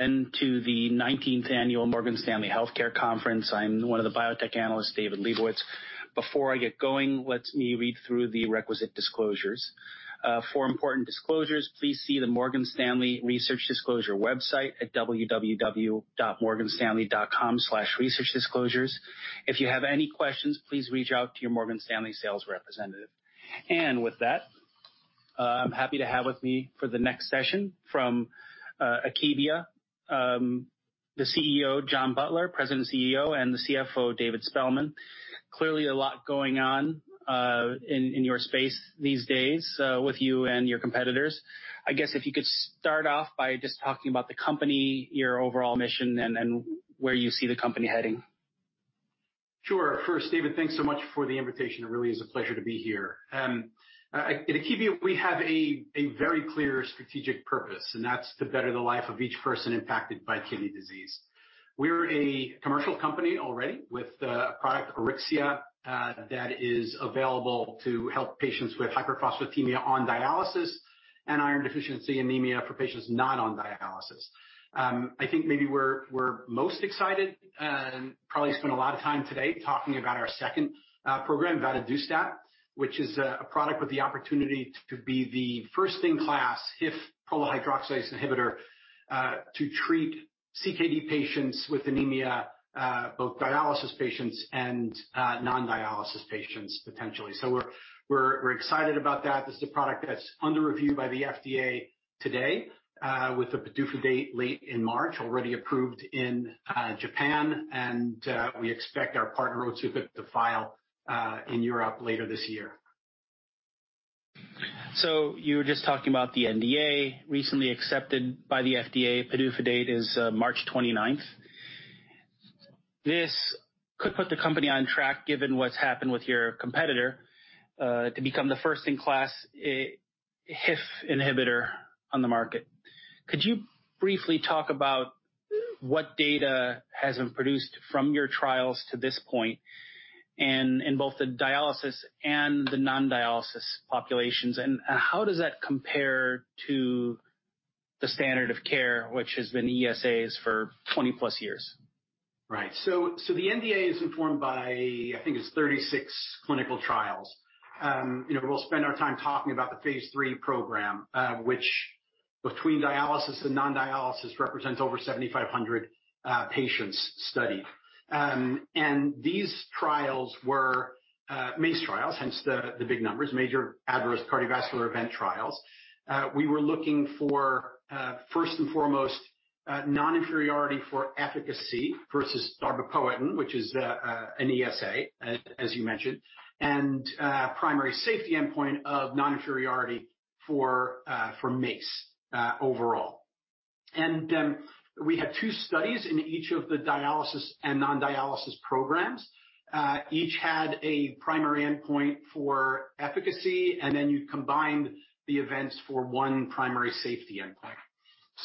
Welcome to the 19th Annual Morgan Stanley Healthcare Conference. I'm one of the Biotech Analysts, David Lebovitz. Before I get going, let me read through the requisite disclosures. For important disclosures, please see the Morgan Stanley Research Disclosure website at www.morganstanley.com/researchdisclosures. If you have any questions, please reach out to your Morgan Stanley sales representative. With that, I'm happy to have with me for the next session from Akebia, the CEO, John Butler, President, CEO, and the CFO, David Spellman. Clearly a lot going on in your space these days with you and your competitors. I guess if you could start off by just talking about the company, your overall mission, and where you see the company heading. First, David, thanks so much for the invitation. It really is a pleasure to be here. At Akebia, we have a very clear strategic purpose, that's to better the life of each person impacted by kidney disease. We're a commercial company already with a product, Auryxia, that is available to help patients with hyperphosphatemia on dialysis and iron deficiency anemia for patients not on dialysis. I think maybe we're most excited and probably spend a lot of time today talking about our second program, vadadustat, which is a product with the opportunity to be the first-in-class HIF prolyl hydroxylase inhibitor to treat CKD patients with anemia, both dialysis patients and non-dialysis patients potentially. We're excited about that. This is a product that's under review by the FDA today with a PDUFA date late in March, already approved in Japan, and we expect our partner, Otsuka, to file in Europe later this year. You were just talking about the NDA recently accepted by the FDA. PDUFA date is March 29th. This could put the company on track, given what's happened with your competitor, to become the first-in-class HIF inhibitor on the market. Could you briefly talk about what data has been produced from your trials to this point and in both the dialysis and the non-dialysis populations, and how does that compare to the standard of care, which has been ESAs for 20+ years? Right. The NDA is informed by, I think it's 36 clinical trials. We'll spend our time talking about the phase III program, which between dialysis and non-dialysis represents over 7,500 patients studied. These trials were MACE trials, hence the big numbers, major adverse cardiovascular event trials. We were looking for, first and foremost, non-inferiority for efficacy versus darbepoetin, which is an ESA, as you mentioned, and primary safety endpoint of non-inferiority for MACE overall. We had two studies in each of the dialysis and non-dialysis programs. Each had a primary endpoint for efficacy, and then you combined the events for one primary safety endpoint.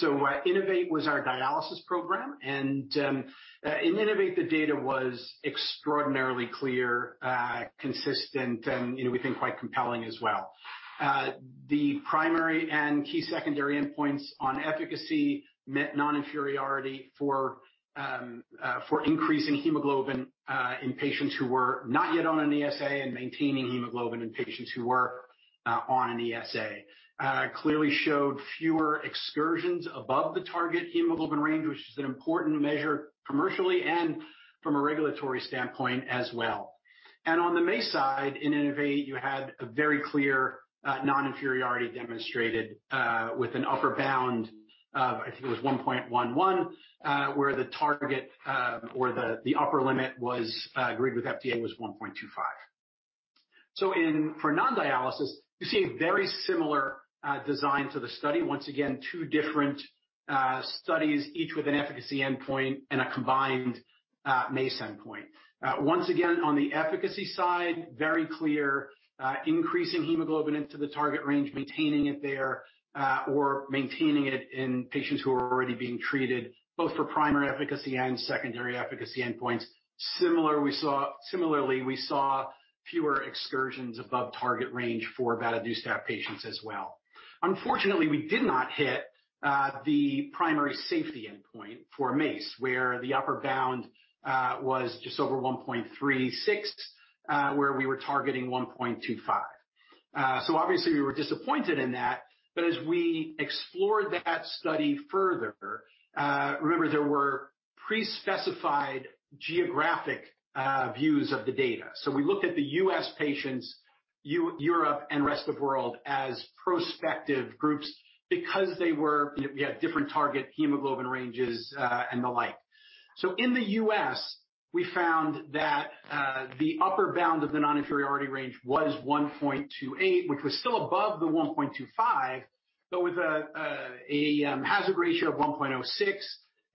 INNO2VATE was our dialysis program, and in INNO2VATE, the data was extraordinarily clear, consistent, and we think quite compelling as well. The primary and key secondary endpoints on efficacy met non-inferiority for increase in hemoglobin in patients who were not yet on an ESA and maintaining hemoglobin in patients who were on an ESA. Clearly showed fewer excursions above the target hemoglobin range, which is an important measure commercially and from a regulatory standpoint as well. On the MACE side, in INNO2VATE, you had a very clear non-inferiority demonstrated with an upper bound of, I think it was 1.11, where the target or the upper limit agreed with FDA was 1.25. For non-dialysis, you see a very similar design to the study. Once again, two different studies, each with an efficacy endpoint and a combined MACE endpoint. Once again, on the efficacy side, very clear increase in hemoglobin into the target range, maintaining it there, or maintaining it in patients who are already being treated both for primary efficacy and secondary efficacy endpoints. Similarly, we saw fewer excursions above target range for vadadustat patients as well. Unfortunately, we did not hit the primary safety endpoint for MACE, where the upper bound was just over 1.36, where we were targeting 1.25. Obviously, we were disappointed in that, but as we explored that study further, remember there were pre-specified geographic views of the data. We looked at the U.S. patients, Europe, and rest of world as prospective groups because they had different target hemoglobin ranges and the like. In the U.S., we found that the upper bound of the non-inferiority range was 1.28, which was still above the 1.25, but with a hazard ratio of 1.06,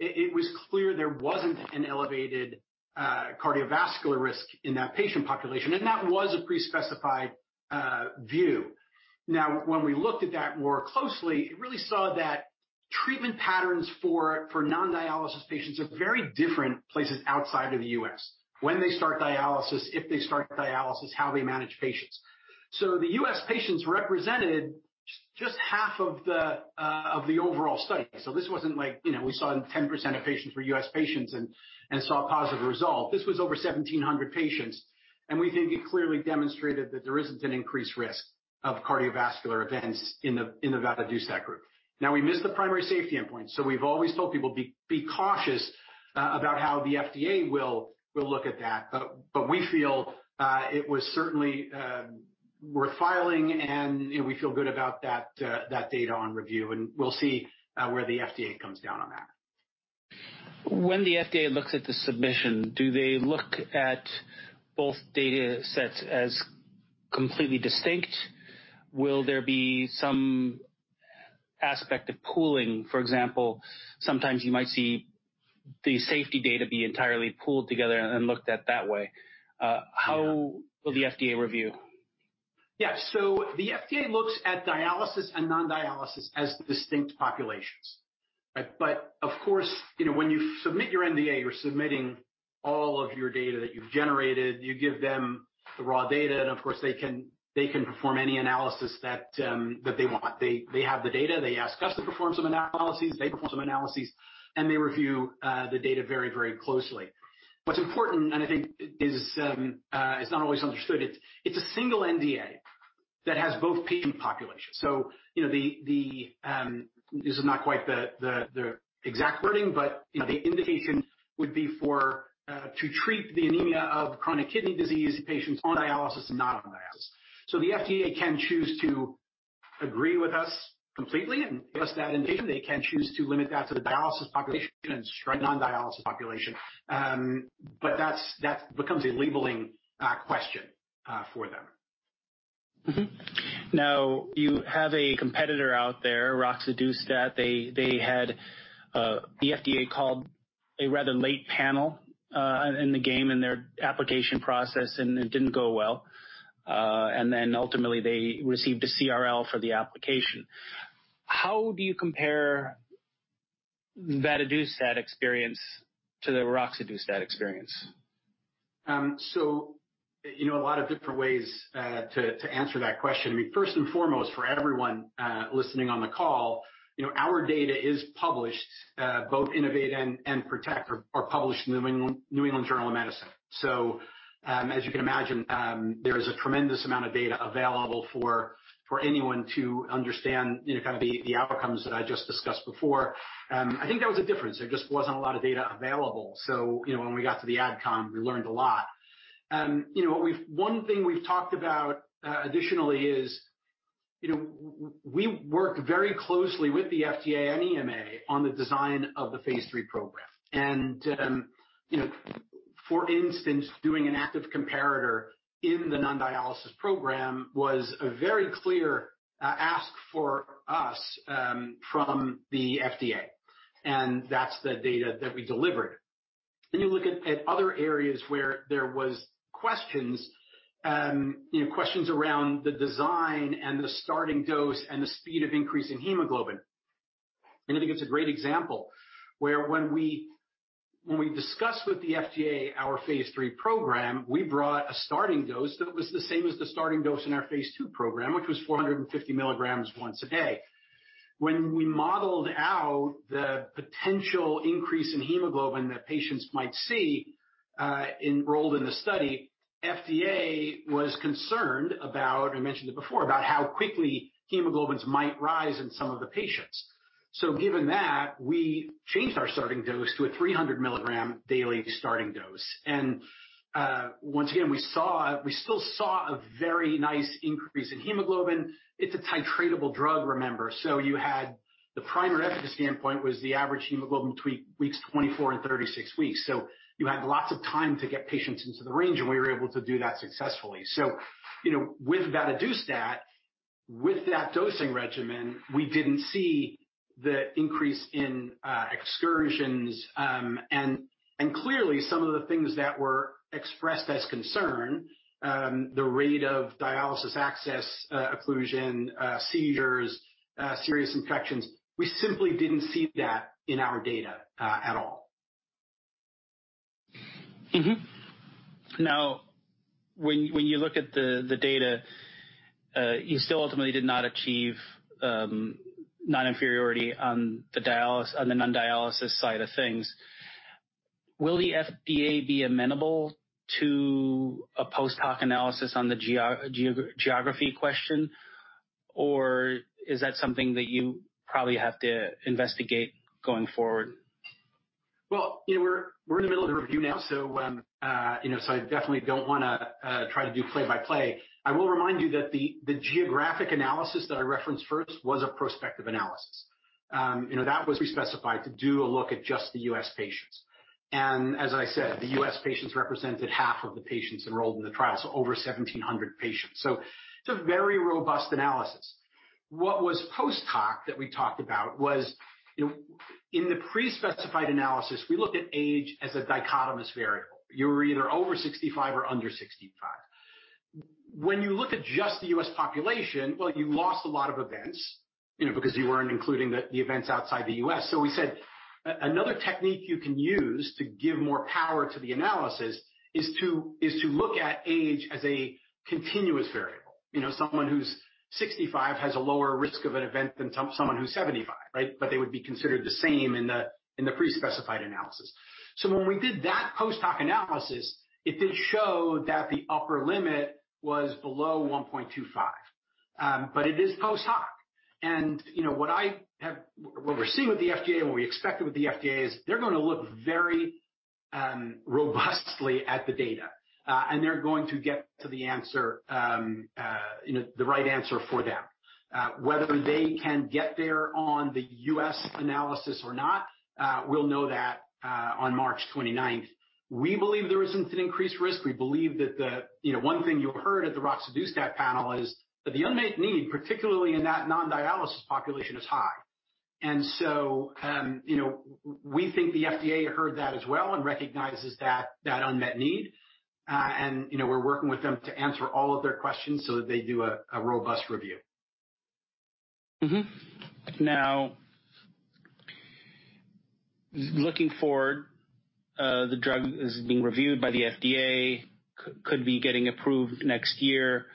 it was clear there wasn't an elevated cardiovascular risk in that patient population, and that was a pre-specified view. When we looked at that more closely, really saw that treatment patterns for non-dialysis patients at very different places outside of the U.S. When they start dialysis, if they start dialysis, how they manage patients. The U.S. patients represented just half of the overall study. This wasn't like, we saw 10% of patients were U.S. patients and saw a positive result. This was over 1,700 patients, and we think it clearly demonstrated that there isn't an increased risk of cardiovascular events in the vadadustat group. We missed the primary safety endpoint. We've always told people, "Be cautious about how the FDA will look at that." We feel it was certainly worth filing. We feel good about that data on review. We'll see where the FDA comes down on that. When the FDA looks at the submission, do they look at both data sets as completely distinct? Will there be some aspect of pooling? For example, sometimes you might see the safety data be entirely pooled together and looked at that way. How will the FDA review? Yeah. The FDA looks at dialysis and non-dialysis as distinct populations. Of course, when you submit your NDA, you're submitting all of your data that you've generated. You give them the raw data, and of course, they can perform any analysis that they want. They have the data. They ask us to perform some analyses, they perform some analyses, and they review the data very closely. What's important, and I think is not always understood, it's a single NDA that has both patient populations. This is not quite the exact wording, but the indication would be to treat the anemia of chronic kidney disease in patients on dialysis and not on dialysis. The FDA can choose to agree with us completely and give us that indication. They can choose to limit that to the dialysis population and strike non-dialysis population. That becomes a labeling question for them. Mm-hmm. You have a competitor out there, roxadustat. The FDA called a rather late panel in the game in their application process, and it didn't go well. Ultimately, they received a CRL for the application. How do you compare vadadustat experience to the roxadustat experience? A lot of different ways to answer that question. First and foremost, for everyone listening on the call, our data is published, both INNO2VATE and PRO2TECT are published in The New England Journal of Medicine. As you can imagine, there is a tremendous amount of data available for anyone to understand the outcomes that I just discussed before. I think that was a difference. There just wasn't a lot of data available. When we got to the AdCom, we learned a lot. One thing we've talked about additionally is, we worked very closely with the FDA and EMA on the design of the phase III program. For instance, doing an active comparator in the non-dialysis program was a very clear ask for us from the FDA, and that's the data that we delivered. You look at other areas where there was questions around the design and the starting dose and the speed of increase in hemoglobin. I think it's a great example where when we discussed with the FDA our phase III program, we brought a starting dose that was the same as the starting dose in our phase II program, which was 450 mg once a day. When we modeled out the potential increase in hemoglobin that patients might see enrolled in the study, FDA was concerned about, I mentioned it before, about how quickly hemoglobins might rise in some of the patients. Given that, we changed our starting dose to a 300 mg daily starting dose. Once again, we still saw a very nice increase in hemoglobin. It's a titratable drug, remember? You had the primary efficacy endpoint was the average hemoglobin between weeks 24 and 36. You had lots of time to get patients into the range, and we were able to do that successfully. With vadadustat, with that dosing regimen, we didn't see the increase in excursions. Clearly, some of the things that were expressed as concern, the rate of dialysis access, occlusion, seizures, serious infections, we simply didn't see that in our data at all. When you look at the data, you still ultimately did not achieve non-inferiority on the non-dialysis side of things. Will the FDA be amenable to a post hoc analysis on the geography question, or is that something that you probably have to investigate going forward? Well, we're in the middle of the review now, so I definitely don't want to try to do play-by-play. I will remind you that the geographic analysis that I referenced first was a prospective analysis. That was pre-specified to do a look at just the U.S. patients. As I said, the U.S. patients represented half of the patients enrolled in the trial, so over 1,700 patients. It's a very robust analysis. What was post hoc that we talked about was, in the pre-specified analysis, we looked at age as a dichotomous variable. You were either over 65 or under 65. When you look at just the U.S. population, well, you lost a lot of events, because you weren't including the events outside the U.S. We said, another technique you can use to give more power to the analysis is to look at age as a continuous variable. Someone who's 65 has a lower risk of an event than someone who's 75, right? They would be considered the same in the pre-specified analysis. When we did that post hoc analysis, it did show that the upper limit was below 1.25. It is post hoc. What we're seeing with the FDA and what we expected with the FDA is they're going to look very robustly at the data. They're going to get to the right answer for them. Whether they can get there on the U.S. analysis or not, we'll know that on March 29th. We believe there isn't an increased risk. One thing you heard at the roxadustat panel is that the unmet need, particularly in that non-dialysis population, is high. We think the FDA heard that as well and recognizes that unmet need. We're working with them to answer all of their questions so that they do a robust review. Looking forward, the drug is being reviewed by the FDA, could be getting approved next year.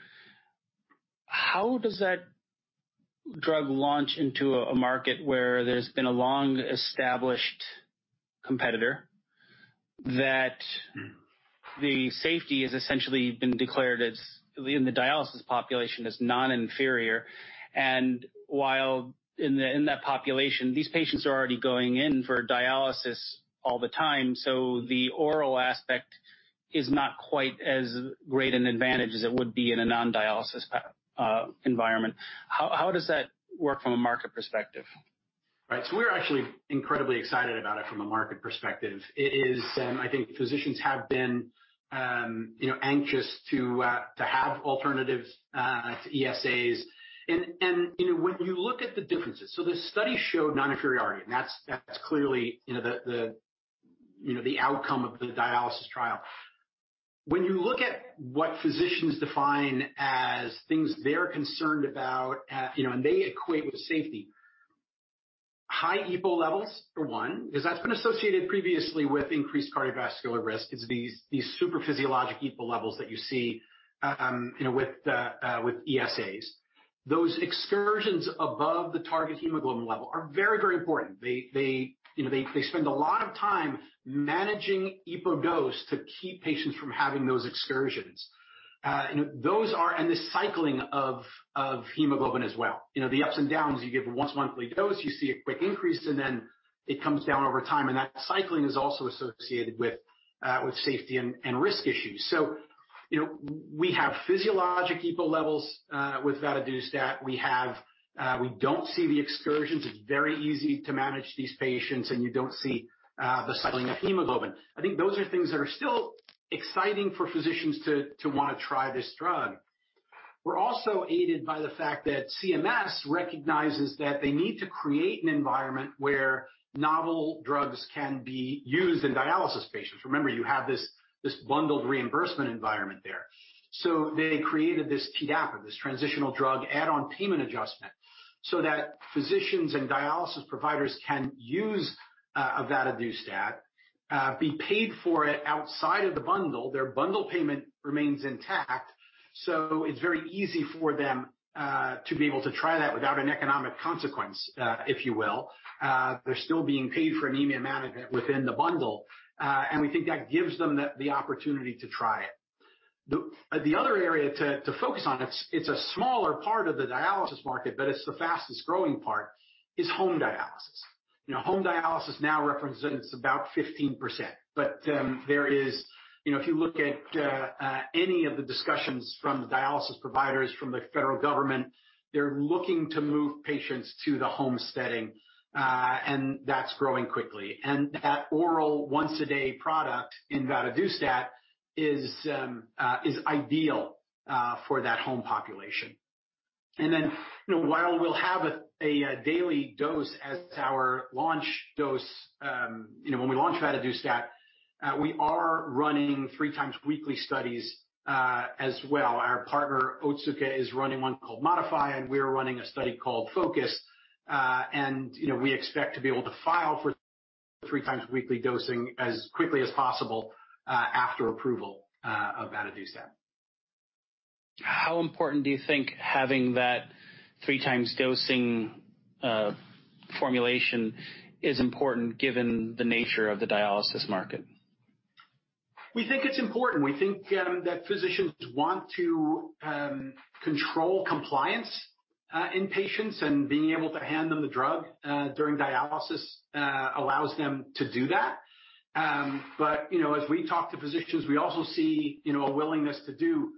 How does that drug launch into a market where there's been a long-established competitor, that the safety has essentially been declared in the dialysis population as non-inferior, and while in that population, these patients are already going in for dialysis all the time, so the oral aspect is not quite as great an advantage as it would be in a non-dialysis environment. How does that work from a market perspective? Right. We're actually incredibly excited about it from a market perspective. I think physicians have been anxious to have alternatives to ESAs. When you look at the differences, the study showed non-inferiority, and that's clearly the outcome of the dialysis trial. When you look at what physicians define as things they're concerned about, and they equate with safety, high EPO levels, for one, because that's been associated previously with increased cardiovascular risk. It's these super physiologic EPO levels that you see with ESAs. Those excursions above the target hemoglobin level are very, very important. They spend a lot of time managing EPO dose to keep patients from having those excursions. The cycling of hemoglobin as well. The ups and downs, you give a once-monthly dose, you see a quick increase, and then it comes down over time, and that cycling is also associated with safety and risk issues. We have physiologic EPO levels with vadadustat. We don't see the excursions. It's very easy to manage these patients, and you don't see the cycling of hemoglobin. I think those are things that are still exciting for physicians to want to try this drug. We're also aided by the fact that CMS recognizes that they need to create an environment where novel drugs can be used in dialysis patients. Remember, you have this bundled reimbursement environment there. They created this TDAPA, this Transitional Drug Add-on Payment Adjustment, so that physicians and dialysis providers can use of vadadustat, be paid for it outside of the bundle. Their bundle payment remains intact, it's very easy for them to be able to try that without an economic consequence, if you will. They're still being paid for anemia management within the bundle. We think that gives them the opportunity to try it. The other area to focus on, it's a smaller part of the dialysis market, but it's the fastest-growing part, is home dialysis. Home dialysis now represents about 15%. If you look at any of the discussions from the dialysis providers, from the federal government, they're looking to move patients to the home setting, and that's growing quickly. That oral once-a-day product in vadadustat is ideal for that home population. While we'll have a daily dose as our launch dose, when we launch vadadustat, we are running 3x weekly studies as well. Our partner, Otsuka, is running one called Modify, and we're running a study called Focus. We expect to be able to file for 3x weekly dosing as quickly as possible after approval of vadadustat. How important do you think having that 3x dosing formulation is important given the nature of the dialysis market? We think it's important. We think that physicians want to control compliance in patients and being able to hand them the drug during dialysis allows them to do that. As we talk to physicians, we also see a willingness to do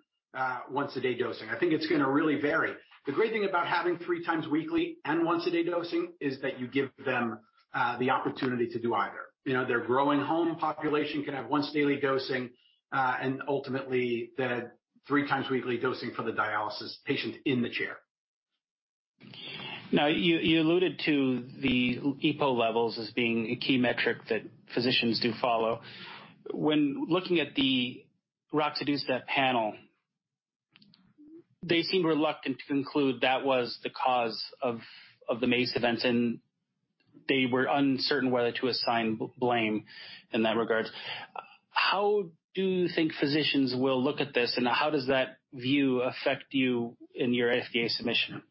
once-a-day dosing. I think it's going to really vary. The great thing about having 3x weekly and once-a-day dosing is that you give them the opportunity to do either. Their growing home population can have once daily dosing, and ultimately, the three-times-weekly dosing for the dialysis patient in the chair. You alluded to the EPO levels as being a key metric that physicians do follow. When looking at the roxadustat panel, they seem reluctant to conclude that was the cause of the MACE events, and they were uncertain whether to assign blame in that regard. How do you think physicians will look at this, and how does that view affect you in your FDA submission?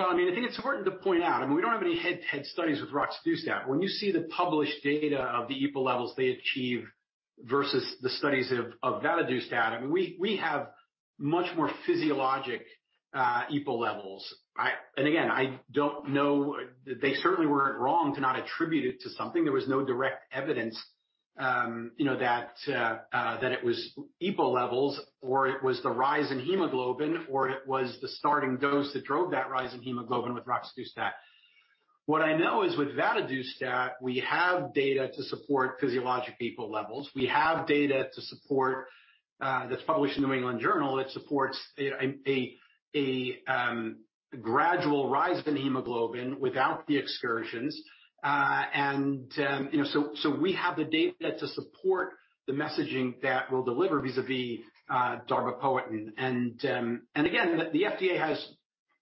Well, I think it's important to point out, we don't have any head-to-head studies with roxadustat. When you see the published data of the EPO levels they achieve versus the studies of vadadustat, we have much more physiologic EPO levels. Again, I don't know. They certainly weren't wrong to not attribute it to something. There was no direct evidence that it was EPO levels, or it was the rise in hemoglobin, or it was the starting dose that drove that rise in hemoglobin with roxadustat. What I know is with vadadustat, we have data to support physiologic EPO levels. We have data to support, that's published in the "New England Journal" that supports a gradual rise in hemoglobin without the excursions. We have the data to support the messaging that we'll deliver vis-a-vis darbepoetin. Again, the FDA has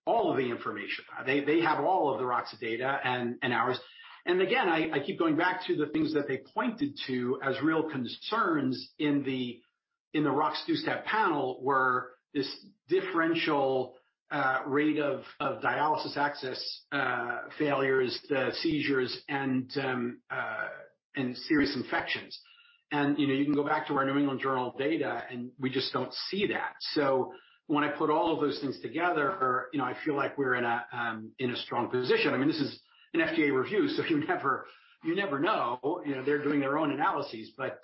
all of the information. They have all of the Rox data and ours. Again, I keep going back to the things that they pointed to as real concerns in the roxadustat panel were this differential rate of dialysis access failures, the seizures, and serious infections. You can go back to our New England Journal data, and we just don't see that. When I put all of those things together, I feel like we're in a strong position. This is an FDA review, so you never know. They're doing their own analyses, but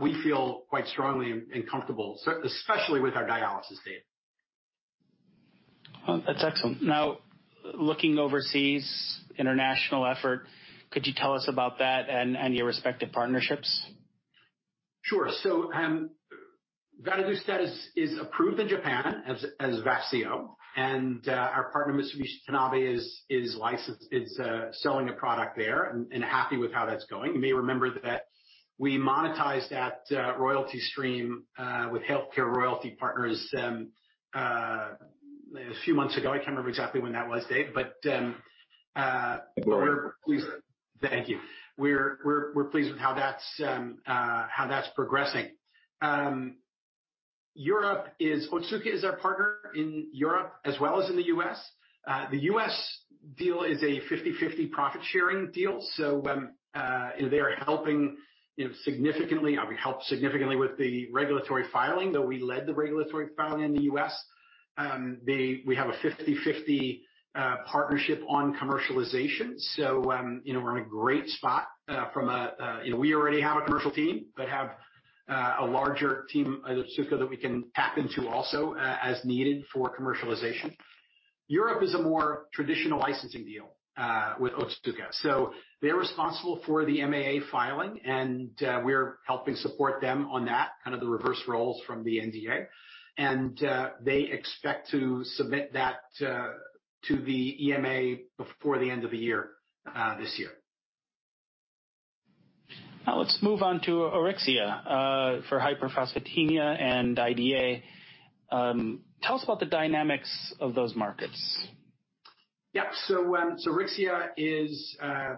we feel quite strongly and comfortable, especially with our dialysis data. That's excellent. Now, looking overseas, international effort, could you tell us about that and your respective partnerships? Sure. Vadadustat is approved in Japan as Vafseo, and our partner, Mitsubishi Tanabe, is selling a product there and happy with how that's going. You may remember that we monetized that royalty stream with HealthCare Royalty Partners a few months ago. I can't remember exactly when that was, Dave. April Thank you. We're pleased with how that's progressing. Otsuka is our partner in Europe as well as in the U.S. The U.S. deal is a 50/50 profit-sharing deal, so they're helping significantly. I mean, helped significantly with the regulatory filing, though we led the regulatory filing in the U.S. We have a 50/50 partnership on commercialization, so we're in a great spot. We already have a commercial team, but have a larger team at Otsuka that we can tap into also as needed for commercialization. Europe is a more traditional licensing deal with Otsuka, so they're responsible for the MAA filing, and we're helping support them on that, kind of the reverse roles from the NDA. They expect to submit that to the EMA before the end of the year, this year. Let's move on to Auryxia for hyperphosphatemia and IDA. Tell us about the dynamics of those markets. Yep. Auryxia is a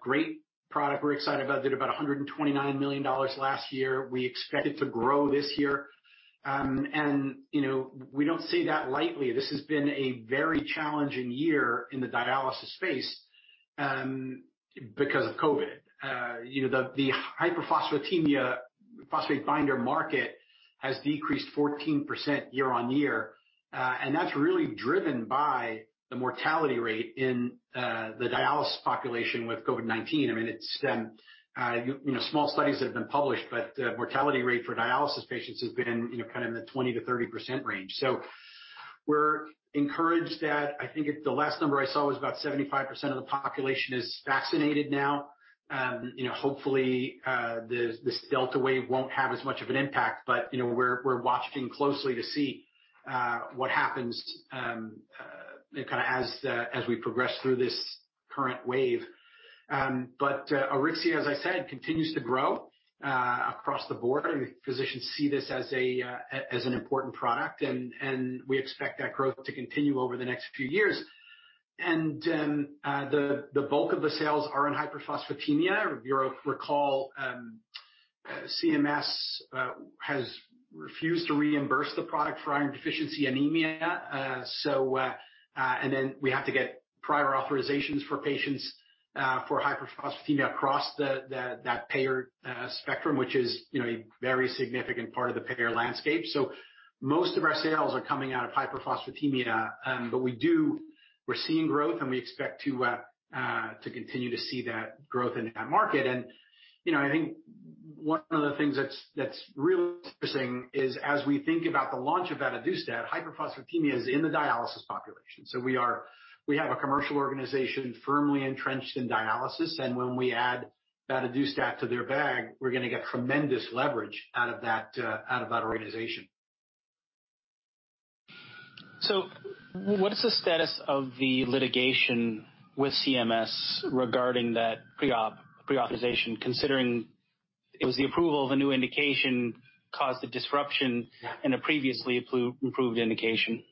great product. We're excited about it. Did about $129 million last year. We expect it to grow this year. We don't say that lightly. This has been a very challenging year in the dialysis space because of COVID. The hyperphosphatemia phosphate binder market has decreased 14% year-on-year, and that's really driven by the mortality rate in the dialysis population with COVID-19. Small studies have been published, but the mortality rate for dialysis patients has been in the 20%-30% range. We're encouraged that, I think the last number I saw was about 75% of the population is vaccinated now. Hopefully, this Delta wave won't have as much of an impact, but we're watching closely to see what happens as we progress through this current wave. Auryxia, as I said, continues to grow across the board, and physicians see this as an important product, and we expect that growth to continue over the next few years. The bulk of the sales are in hyperphosphatemia. You'll recall, CMS has refused to reimburse the product for iron deficiency anemia. We have to get prior authorizations for patients for hyperphosphatemia across that payer spectrum, which is a very significant part of the payer landscape. Most of our sales are coming out of hyperphosphatemia. We're seeing growth, and we expect to continue to see that growth in that market. I think one of the things that's real interesting is as we think about the launch of vadadustat, hyperphosphatemia is in the dialysis population. We have a commercial organization firmly entrenched in dialysis, and when we add vadadustat to their bag, we're going to get tremendous leverage out of that organization. What is the status of the litigation with CMS regarding that pre-authorization, considering it was the approval of a new indication caused a disruption? Yeah in a previously approved indication?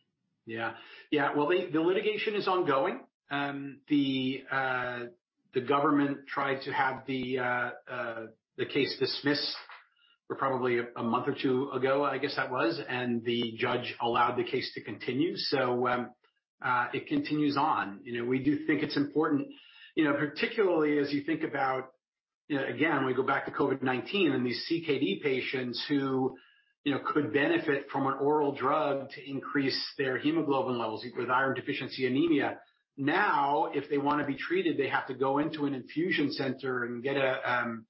Yeah. Well, the litigation is ongoing. The government tried to have the case dismissed probably a month or two ago, I guess that was, and the judge allowed the case to continue. It continues on. We do think it's important, particularly as you think about, again, when we go back to COVID-19 and these CKD patients who could benefit from an oral drug to increase their hemoglobin levels with iron deficiency anemia. Now, if they want to be treated, they have to go into an infusion center and get an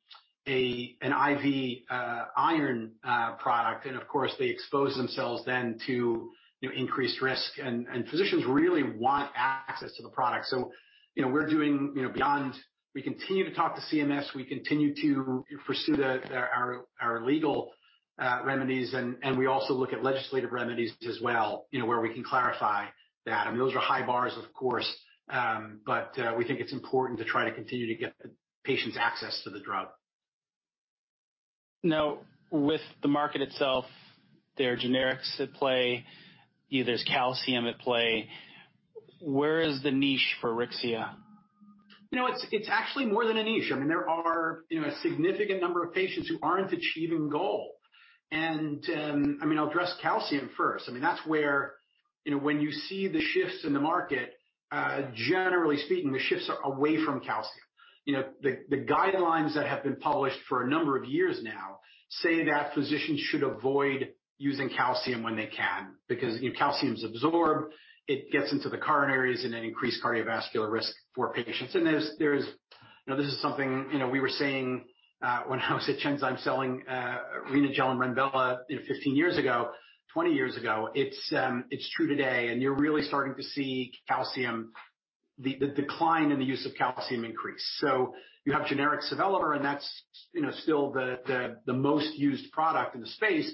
IV iron product. Of course, they expose themselves then to increased risk, and physicians really want access to the product. We continue to talk to CMS, we continue to pursue our legal remedies, and we also look at legislative remedies as well, where we can clarify that. Those are high bars, of course, but we think it's important to try to continue to get patients access to the drug. With the market itself, there are generics at play. There's calcium at play. Where is the niche for Auryxia? It's actually more than a niche. There are a significant number of patients who aren't achieving goal. I'll address calcium first. That's where when you see the shifts in the market, generally speaking, the shifts are away from calcium. The guidelines that have been published for a number of years now say that physicians should avoid using calcium when they can, because calcium is absorbed. It gets into the coronaries and then increased cardiovascular risk for patients. This is something we were saying when I was at Genzyme selling Renagel and Renvela 15 years ago, 20 years ago. It's true today, you're really starting to see the decline in the use of calcium increase. You have generic sevelamer, that's still the most used product in the space.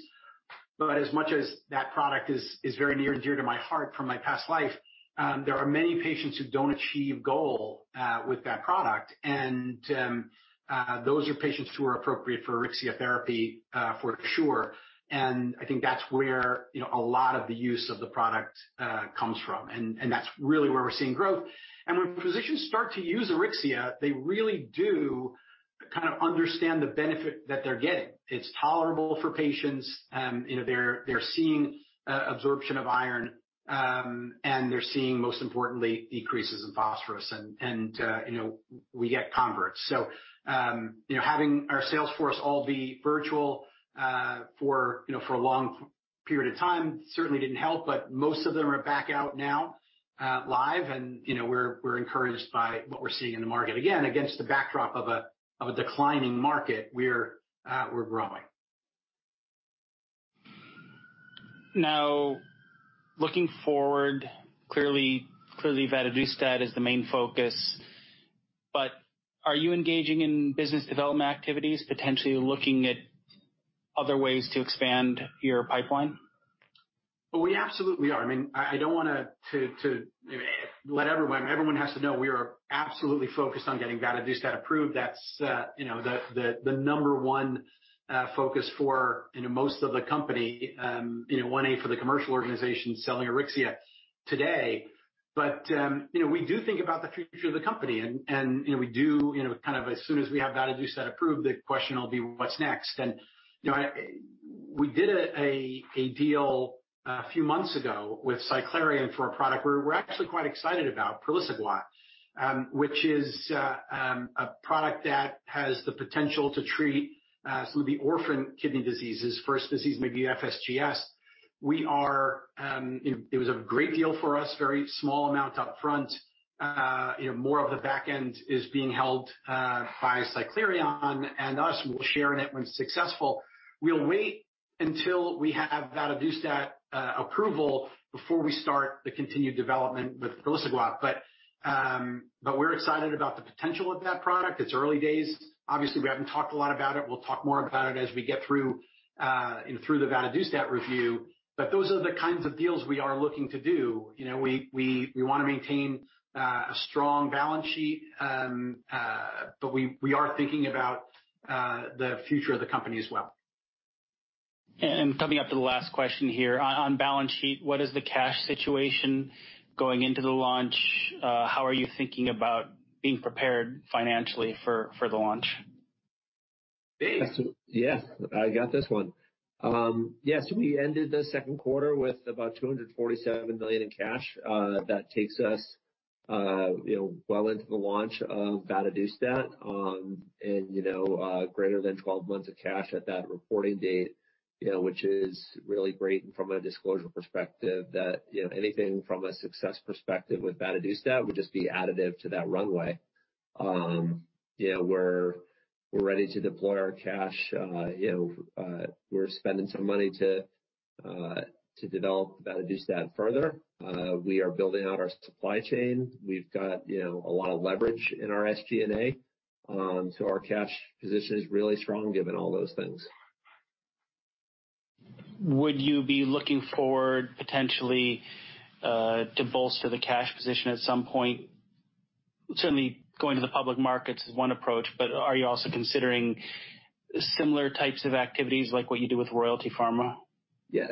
As much as that product is very near and dear to my heart from my past life, there are many patients who don't achieve goal with that product. Those are patients who are appropriate for Auryxia therapy for sure. I think that's where a lot of the use of the product comes from, and that's really where we're seeing growth. When physicians start to use Auryxia, they really do understand the benefit that they're getting. It's tolerable for patients. They're seeing absorption of iron, and they're seeing, most importantly, decreases in phosphorus, and we get converts. Having our sales force all be virtual for a long period of time certainly didn't help, but most of them are back out now live, and we're encouraged by what we're seeing in the market. Again, against the backdrop of a declining market, we're growing. Looking forward, clearly, vadadustat is the main focus, are you engaging in business development activities, potentially looking at other ways to expand your pipeline? We absolutely are. Everyone has to know we are absolutely focused on getting vadadustat approved. That's the number 1 focus for most of the company, 1A for the commercial organization selling Auryxia today. We do think about the future of the company, and we do as soon as we have vadadustat approved, the question will be what's next? We did a deal a few months ago with Cyclerion for a product we're actually quite excited about, praliciguat, which is a product that has the potential to treat some of the orphan kidney diseases. First disease may be FSGS. It was a great deal for us, very small amount up front. More of the back end is being held by Cyclerion and us, and we'll share in it when successful. We'll wait until we have vadadustat approval before we start the continued development with praliciguat. We're excited about the potential of that product. It's early days. Obviously, we haven't talked a lot about it. We'll talk more about it as we get through the vadadustat review. Those are the kinds of deals we are looking to do. We want to maintain a strong balance sheet, but we are thinking about the future of the company as well. Coming up to the last question here. On balance sheet, what is the cash situation going into the launch? How are you thinking about being prepared financially for the launch? Dave? I got this one. Yes, we ended the second quarter with about $247 million in cash. That takes us well into the launch of vadadustat. Greater than 12 months of cash at that reporting date, which is really great from a disclosure perspective that anything from a success perspective with vadadustat would just be additive to that runway. We're ready to deploy our cash. We're spending some money to develop vadadustat further. We are building out our supply chain. We've got a lot of leverage in our SG&A. Our cash position is really strong given all those things. Would you be looking forward potentially to bolster the cash position at some point? Certainly, going to the public market is one approach. Are you also considering similar types of activities like what you did with Royalty Pharma? Yeah.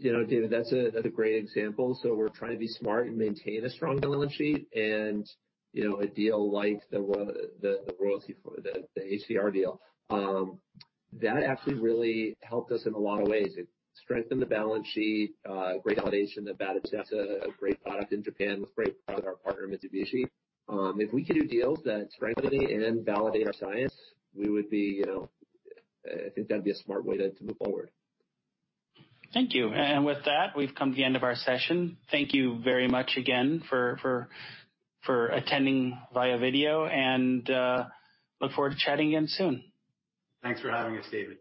David, that's a great example. We're trying to be smart and maintain a strong balance sheet and a deal like the HCR deal. That actually really helped us in a lot of ways. It strengthened the balance sheet, great validation that vadadustat is a great product in Japan with great product, our partner, Mitsubishi. If we can do deals that strengthen and validate our science, I think that'd be a smart way to move forward. Thank you. With that, we've come to the end of our session. Thank you very much again for attending via video, and look forward to chatting again soon. Thanks for having us, David.